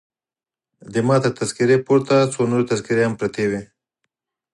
زما تر تذکیرې پورته څو نورې تذکیرې هم پرتې وې.